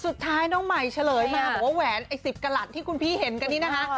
สุดท้ายน้องใหม่เฉลยมาบอกว่าแหวนไอ้๑๐กระหลัดที่คุณพี่เห็นกันนี้นะคะ